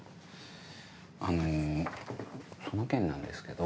あのその件なんですけど。